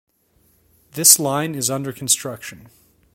This line is under construction.